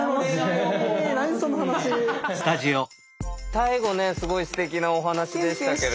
最後ねすごいステキなお話でしたけれども。